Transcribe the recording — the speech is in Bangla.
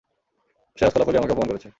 সে আজ খোলাখুলি আমাকে অপমান করেছে।